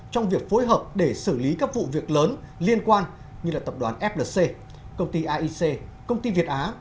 trong việc phối hợp để xử lý các vụ việc lớn liên quan như là tập đoàn flc công ty aic